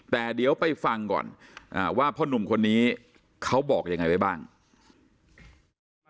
แต่เดี๋ยวไปฟังก่อนว่าพ่อนุ่มคนนี้เขาบอกยังไงไว้บ้าง